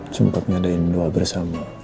sempat nyadain doa bersama